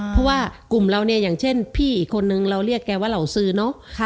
เพราะว่ากลุ่มเราเนี่ยอย่างเช่นพี่อีกคนนึงเราเรียกแกว่าเหล่าซื้อเนาะ